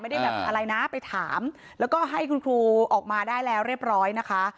ไม่ได้แบบอะไรนะไปถามแล้วก็ให้คุณครูออกมาได้แล้วเรียบร้อยนะคะ